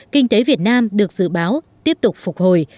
kinh tế việt nam được dự báo tiếp tục phục hồi